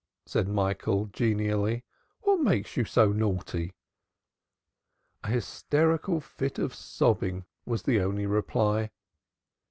said Michael genially. "What makes you so naughty?" A hysterical fit of sobbing was the only reply.